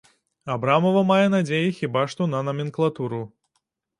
Абрамава мае надзеі хіба што на наменклатуру.